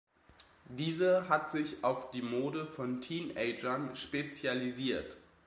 Diese hat sich auf die Mode von Teenagern spezialisiert.